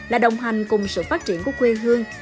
là đồng hành cùng sự phát triển của quê hương